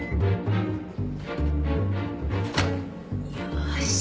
よし。